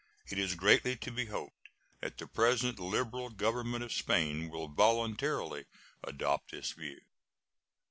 It is greatly to be hoped that the present liberal Government of Spain will voluntarily adopt this view.